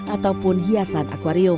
ataupun hiasan akwarium